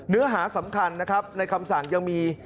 เนื้อหาสำคัญนะครับในคำสั่งยังมี